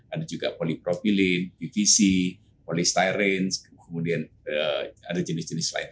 ada juga polipropilin pvc polistyrance kemudian ada jenis jenis lain